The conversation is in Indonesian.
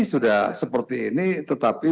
sudah seperti ini tetapi